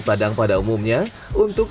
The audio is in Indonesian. padang pada umumnya untuk